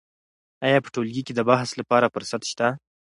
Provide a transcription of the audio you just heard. آیا په ټولګي کې د بحث لپاره فرصت شته؟